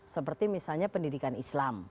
seperti misalnya pendidikan islam